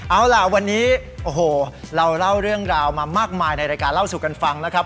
เอาล่ะวันนี้โอ้โหเราเล่าเรื่องราวมามากมายในรายการเล่าสู่กันฟังนะครับ